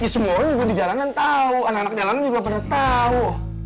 semua orang juga di jalanan tahu anak anak jalanan juga pernah tahu